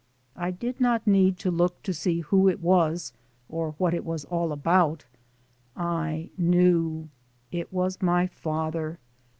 I did not need to look to see who it was or what it was all about. I knew. It was my father.